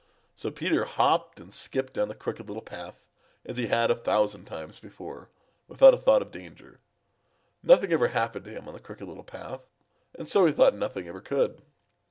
So Peter hopped and skipped down the Crooked Little Path, as he had a thousand times before, without a thought of danger. Nothing ever had happened to him on the Crooked Little Path, and so he thought nothing ever could.